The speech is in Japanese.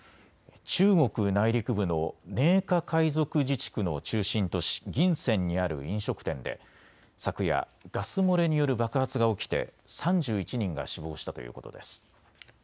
中国内陸部の寧夏回族自治区の中心都市、銀川にある飲食店で昨夜ガス漏れによる爆発が起きて３１人が死亡したということです。